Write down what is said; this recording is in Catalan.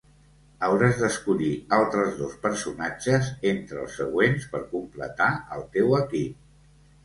Hauràs d'escollir altres dos personatges entre els següents per completar el teu equip.